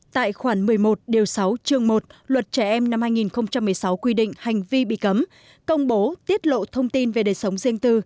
tại khoản một mươi một điều sáu chương một luật trẻ em năm hai nghìn một mươi sáu quy định hành vi bị cấm công bố tiết lộ thông tin về đời sống riêng tư